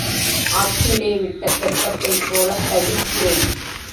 ஆற்றிலே விட்ட தெப்பத்தைப் போலத் தவிக்கிறேன்.